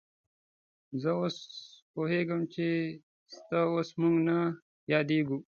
زه پوهېږم چې ستا اوس موږ نه یادېږو.